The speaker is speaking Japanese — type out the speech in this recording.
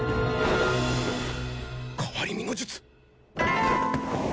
変わり身の術！？